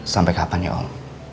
sampai kapan ya om